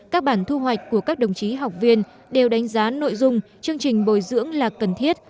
các bản thu hoạch của các đồng chí học viên đều đánh giá nội dung chương trình bồi dưỡng là cần thiết